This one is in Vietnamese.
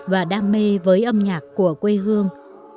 và đam mê với âm nhạc của quê hương